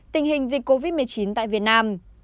tình hình dịch covid một mươi chín tại việt nam